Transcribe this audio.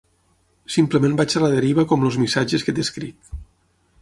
Simplement vaig a la deriva com els missatges que t'escric.